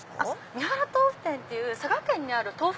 三原豆腐店っていう佐賀県にある豆腐